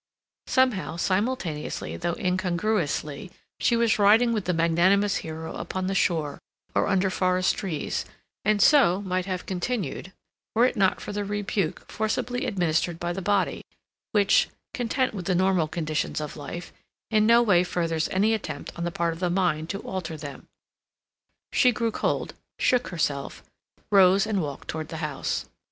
Somehow simultaneously, though incongruously, she was riding with the magnanimous hero upon the shore or under forest trees, and so might have continued were it not for the rebuke forcibly administered by the body, which, content with the normal conditions of life, in no way furthers any attempt on the part of the mind to alter them. She grew cold, shook herself, rose, and walked towards the house.